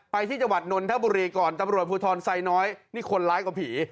ไปที่จังหวัดนนทบุรีก่อนตำรวจภูทรไซน้อยนี่คนร้ายกว่าผี